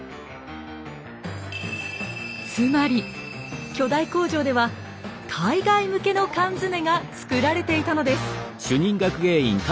つまり巨大工場では海外向けの缶詰が作られていたのです。